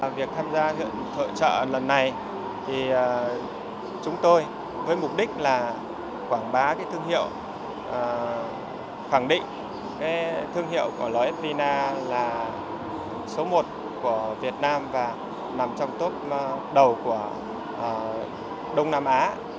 vì việc tham gia thợ trợ lần này thì chúng tôi với mục đích là quảng bá thương hiệu khẳng định thương hiệu của ls vina là số một của việt nam và nằm trong top đầu của đông nam á